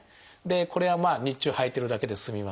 これはまあ日中はいてるだけで済みます。